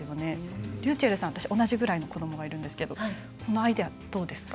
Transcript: りゅうちぇるさんと同じぐらいの子どもがいるんですがこのアイデアはどうですか？